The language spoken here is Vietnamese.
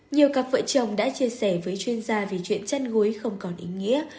nhiều cặp vợ chồng đã chia sẻ với chuyên gia về chuyện chăn gối không còn ý nghĩa